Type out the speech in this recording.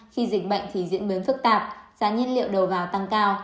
khi dịch bệnh thì diễn biến phức tạp giá nhiên liệu đầu vào tăng cao